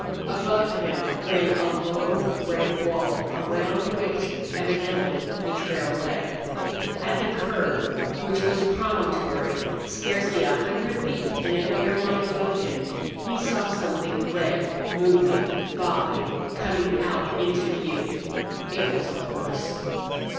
Above him ran a low, red wall, around which evidently the trail led. At the curve, which was a promontory, scarcely a hundred feet in an air line above him, he saw something red moving, bobbing, coming out into view. It was a horse.